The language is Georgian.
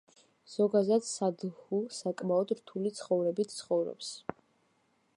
ზოგადად, სადჰუ საკმაოდ რთული ცხოვრებით ცხოვრობს.